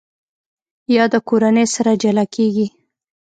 یاده کورنۍ سره جلا کېږي.